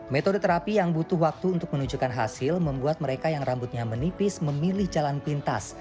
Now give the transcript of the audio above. metode terapi yang butuh waktu untuk menunjukkan hasil membuat mereka yang rambutnya menipis memilih jalan pintas